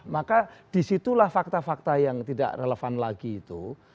maka disitulah fakta fakta yang tidak relevan lagi itu